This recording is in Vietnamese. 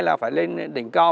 là phải lên đỉnh cao